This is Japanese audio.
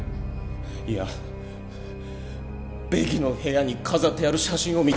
いやベキの部屋に飾ってある写真を見た